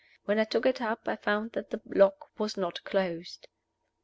When I took it up, I found that the lock was not closed.